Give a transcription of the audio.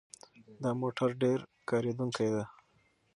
دا موټر ډېر کارېدونکی دی.